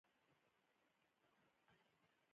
زه به په کور کې پیشمني کوم